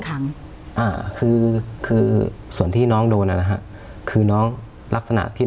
ครั้งอ่าคือคือส่วนที่น้องโดนอ่ะนะฮะคือน้องลักษณะที่